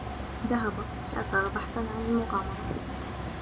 ذهب سافر بحثاً عن المغامرة.